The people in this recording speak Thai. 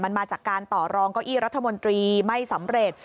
มันมาจากการต่อรองเก้าอี้รัฐมนตรีไม่สำเร็จ